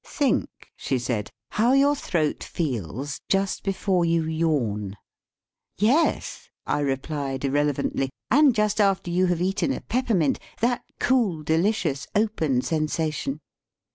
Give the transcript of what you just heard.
"Think," she said, "how your throat feels just before you yawn." "Yes," I re plied, irrelevantly, "and just after you have eaten a peppermint that cool, delicious, open sensation."